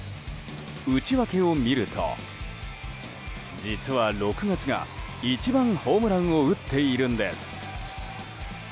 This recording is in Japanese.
内訳を見ると、実は６月が一番ホームランを打っているんです。